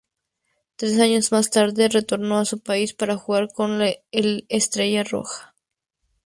Tres años más tarde retornó a su país para jugar con el Estrella Roja.